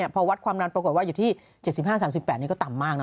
พอวัดความดันปรากฏว่าอยู่ที่๗๕๓๘นี่ก็ต่ำมากนะ